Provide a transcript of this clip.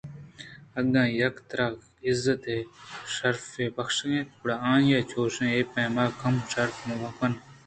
اگاں یکے ترا عزت ءُشرفئے بخشائیت گڑا آئی ءَچوش اے پیمءَ کم شرف مہ کن